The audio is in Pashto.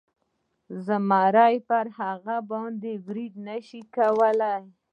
زمري پر هغوی برید نشو کولی.